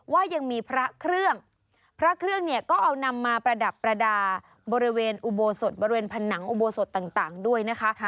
ว่ายังมีพระเครื่องพระเครื่องเนี่ยก็เอานำมาประดับประดาบริเวณอุโบสถบริเวณผนังอุโบสถต่างด้วยนะคะ